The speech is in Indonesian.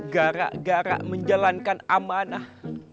gara gara menjalankan amanah